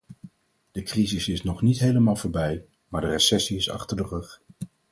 De crisis is nog niet helemaal voorbij, maar de recessie is achter de rug.